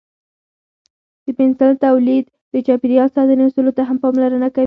د پنسل تولید د چاپیریال ساتنې اصولو ته هم پاملرنه کوي.